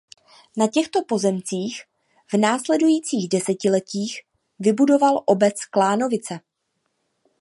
Na těchto pozemcích v následujících desetiletích vybudoval obec Klánovice.